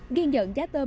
nghiên dận giá tôm